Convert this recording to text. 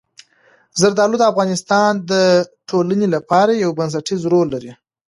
زردالو د افغانستان د ټولنې لپاره یو بنسټيز رول لري.